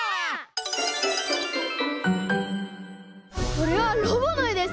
これはロボのえです。